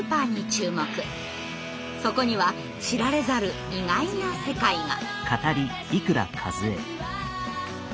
そこには知られざる意外な世界が。